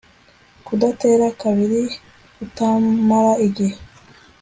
kudatera kabiri kutamara igihe